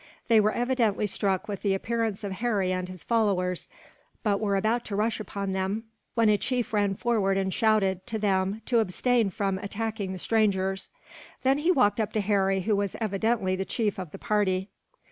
They were evidently struck with the appearance of Harry and his followers; but were about to rush upon them, when a chief ran forward and shouted, to them, to abstain from attacking the strangers. Then he walked up to Harry, who was evidently the chief of the party.